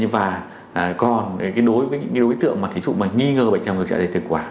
và còn đối với những cái đối tượng mà thí dụ mà nghi ngờ bệnh trầm được trả lời thực quản